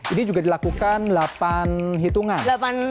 ini juga dilakukan delapan hitungan